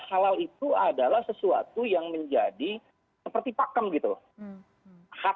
halal itu adalah sesuatu yang menjadi seperti pakem gitu